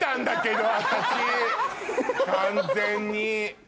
完全に。